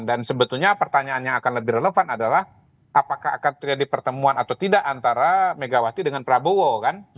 dan sebetulnya pertanyaannya akan lebih relevan adalah apakah akan terjadi pertemuan atau tidak antara megawati dengan prabowo kan